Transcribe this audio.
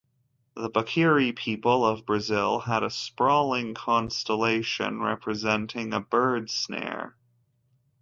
The Bakairi people of Brazil had a sprawling constellation representing a bird snare.